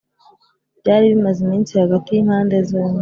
byari bimaze iminsi hagati y’impande zombi